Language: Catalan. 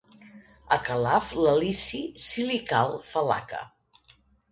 A Calaf, l'Acili, si li cal, fa laca.